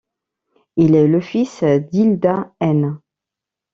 Il est le fils d'Hilda Heine.